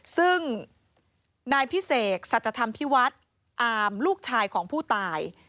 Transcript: ซึ่งนายพิเศษสัจธรรมพิวัฒน์อามลูกชายของผู้ตาย